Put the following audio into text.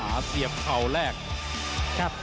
ตอนนี้มันถึง๓